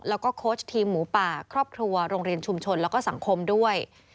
แล้วก็โค้ชทีมหมูป่าครอบครัวโรงเรียนชุมชนแล้วก็สังคมด้วย